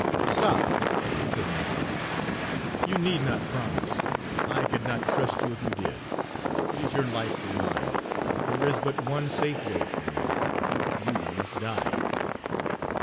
"Stop," said the mulatto, "you need not promise. I could not trust you if you did. It is your life for mine; there is but one safe way for me; you must die."